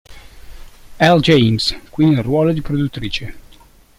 L. James, qui nel ruolo di produttrice.